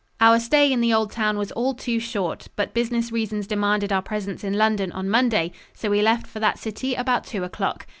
] Our stay in the old town was all too short, but business reasons demanded our presence in London on Monday, so we left for that city about two o'clock.